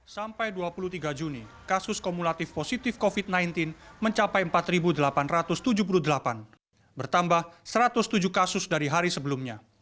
sampai dua puluh tiga juni kasus kumulatif positif covid sembilan belas mencapai empat delapan ratus tujuh puluh delapan bertambah satu ratus tujuh kasus dari hari sebelumnya